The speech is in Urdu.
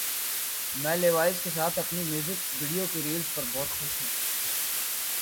میں لیوائز کے ساتھ اپنی میوزک ویڈیو کی ریلیز پر بہت خوش ہوں